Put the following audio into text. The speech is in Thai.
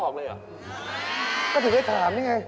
ก็ถึงไปถามนี่ไง